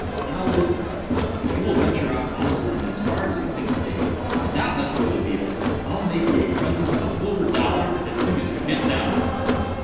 now listen!—if you will venture out on the limb as far as you think safe, and not let go the beetle, I'll make you a present of a silver dollar as soon as you get down."